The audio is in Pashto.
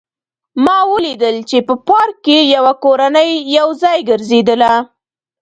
ما ولیدل چې په پارک کې یوه کورنۍ یو ځای ګرځېدله